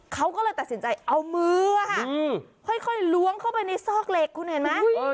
เขาก็เลยตัดสินใจเอามือค่อยล้วงเข้าไปในซอกเหล็กคุณเห็นไหม